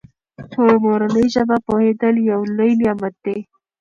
په مورنۍ ژبه پوهېدل یو لوی نعمت دی.